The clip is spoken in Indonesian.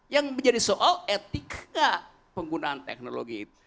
yang menjadi soal etika penggunaan teknologi itu